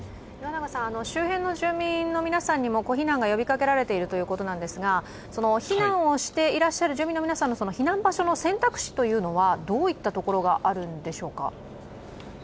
周辺の住民の皆さんにも避難が呼びかけられているということですが、避難をしていらっしゃる住民の皆さんの避難場所の選択肢というのは、どういったところがあるんでしょうか？